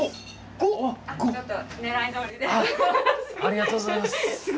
５！ありがとうございます！